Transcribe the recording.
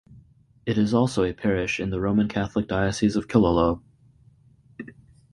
It is also a parish in the Roman Catholic Diocese of Killaloe.